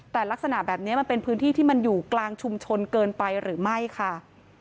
แต่ลักษณะแบบนี้มันเป็นพื้นที่ที่มันอยู่กลางชุมชนเกินไปหรือไม่ค่ะ